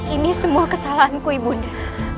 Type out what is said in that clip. ini semua kesalahanku ibu nda